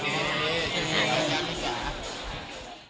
ก็เลยเอาข้าวเหนียวมะม่วงมาปากเทียน